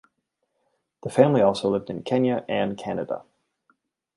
The family also lived in Kenya and Canada.